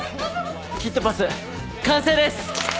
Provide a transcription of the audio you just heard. キットパス完成です！